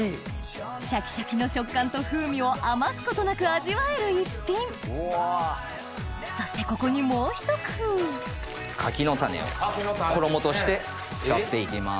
シャキシャキの食感と風味を余すことなく味わえる一品そしてここにもうひと工夫衣として使って行きます。